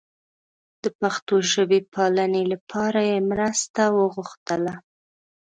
د پښتو ژبې پالنې لپاره یې مرسته وغوښتله.